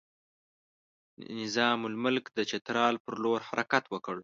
نظام الملک د چترال پر لور حرکت وکړ.